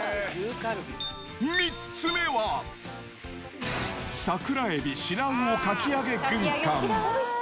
３つ目は、桜エビ、白魚かき揚げ軍艦。